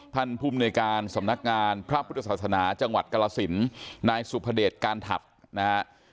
ภูมิในการสำนักงานพระพุทธศาสนาจังหวัดกรสินนายสุภเดชการถัดนะฮะ